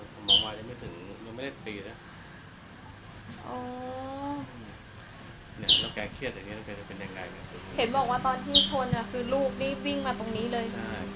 เห็นบอกว่าตอนที่ชนอะคือลูกนี่วิ่งมาตรงนี้เลย